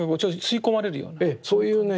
そういうね